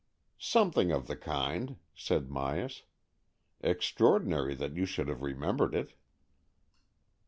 " Something of the kind," said Myas. '' Extraordinary that you should have remembered it."